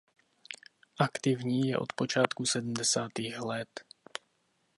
Aktivní je od počátku sedmdesátých let.